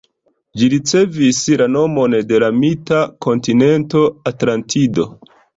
Ĝi ricevis la nomon de la mita kontinento Atlantido.